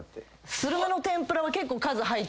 するめの天ぷらは結構数入って。